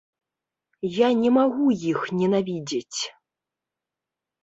Я не магу іх ненавідзець!